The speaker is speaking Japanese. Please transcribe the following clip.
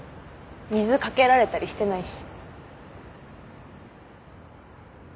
水かけられたりしてないし。